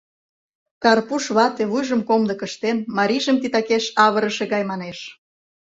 Карпуш вате, вуйжым комдык ыштен, марийжым титакеш авырыше гай манеш: